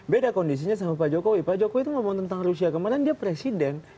beda kondisinya sama pak jokowi pak jokowi itu ngomong tentang rusia kemarin dia presiden